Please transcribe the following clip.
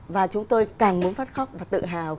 và chúng tôi càng muốn phát khóc và tự hào